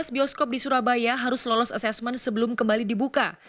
lima belas bioskop di surabaya harus lolos assessment sebelum kembali dibuka